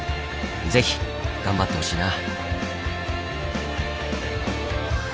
ぜひ頑張ってほしいな。